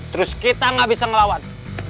terus kita gak bisa ngelawat